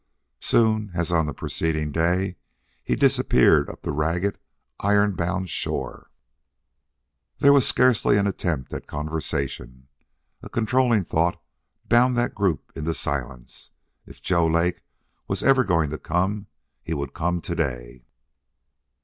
Soon, as on the preceding day, he disappeared up the ragged, iron bound shore. There was scarcely an attempt at conversation. A controlling thought bound that group into silence if Joe Lake was ever going to come he would come to day.